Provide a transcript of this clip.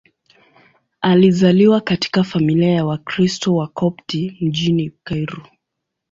Alizaliwa katika familia ya Wakristo Wakopti mjini Kairo.